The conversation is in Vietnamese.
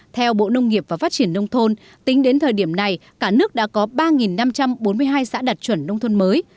theo bộ nông nghiệp và phát triển nông thôn tính đến thời điểm này cả nước đã có ba năm trăm bốn mươi hai xã đạt chuẩn nông thôn mới